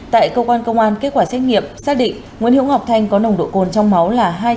tại cơ quan công an kết quả xét nghiệm xác định nguyễn hữu ngọc thanh có nồng độ cồn trong máu là